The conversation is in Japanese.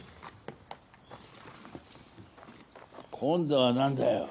今度は何だよ。